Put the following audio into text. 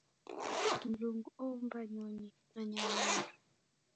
Mlungu oumba nyonyi na nyamandu.